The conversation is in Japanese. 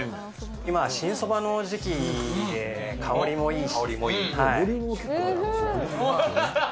今、新そばの時期で、香りもいいし。